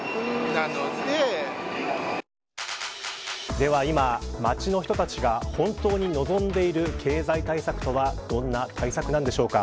では今、街の人たちが本当に望んでいる経済対策とはどんな対策なんでしょうか。